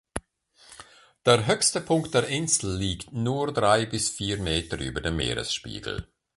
Der höchste Punkt der Insel liegt nur drei bis vier Meter über dem Meeresspiegel.